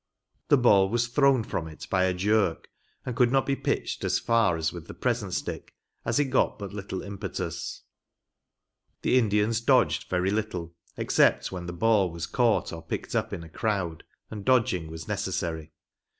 The ball was thrown from it by a jerk, and could not be pitched as far as with the present stick, as it got but little impetus. The Indians dodged very little, except when the ball was caught or picked up in a |iff!.' THE ORIGINAL GAME. 13 crowd, and dodging was necessary.